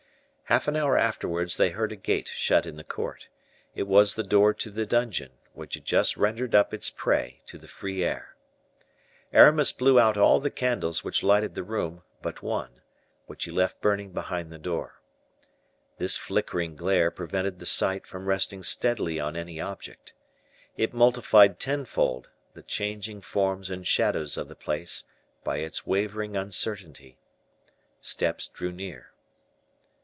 Half an hour afterwards they heard a gate shut in the court; it was the door to the dungeon, which had just rendered up its prey to the free air. Aramis blew out all the candles which lighted the room but one, which he left burning behind the door. This flickering glare prevented the sight from resting steadily on any object. It multiplied tenfold the changing forms and shadows of the place, by its wavering uncertainty. Steps drew near.